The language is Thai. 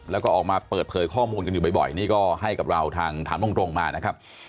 แล้วก็ออกมาเปิดเผยข้อมูลกันอยู่บ่อยนี่ก็ให้กับเราทางถามตรงมานะครับ